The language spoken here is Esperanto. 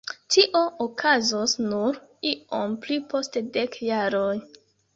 Tio okazos nur iom pli post dek jaroj.